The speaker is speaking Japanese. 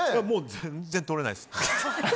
もう全然取れないです。